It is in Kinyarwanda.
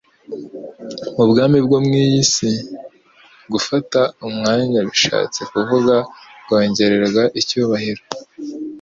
Mu bwami bwo mu iyi si gufata umwanya bishatse kuvuga kongererwa icyubahiro.